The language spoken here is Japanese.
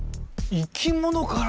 生き物から。